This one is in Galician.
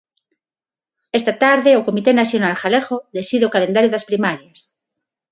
Esta tarde o comité nacional galego decide o calendario das primarias.